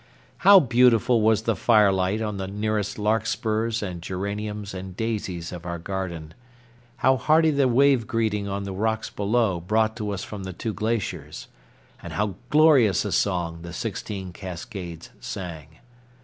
How beautiful was the firelight on the nearest larkspurs and geraniums and daisies of our garden! How hearty the wave greeting on the rocks below brought to us from the two glaciers! And how glorious a song the sixteen cascades sang!